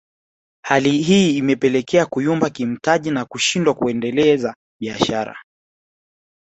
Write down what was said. Hali hii imepelekea kuyumba kimtaji na kushindwa kuendeleza biashara